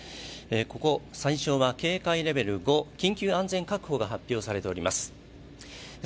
ここ最初は警戒レベル５、緊急安全確保が発表されています。